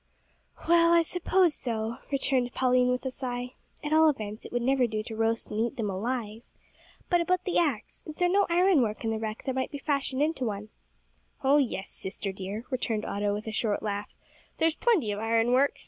"Well, I suppose so," returned Pauline, with a sigh; "at all events it would never do to roast and eat them alive. But, about the axe. Is there no iron work in the wreck that might be fashioned into one?" "Oh yes, sister dear," returned Otto, with a short laugh, "there's plenty of iron work.